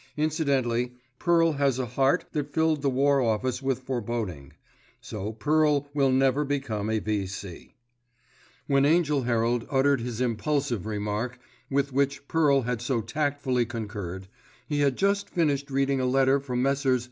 Incidentally Pearl has a heart that filled the War Office with foreboding; so Pearl will never become a V.C. When Angell Herald uttered his impulsive remark, with which Pearl had so tactfully concurred, he had just finished reading a letter from Messrs.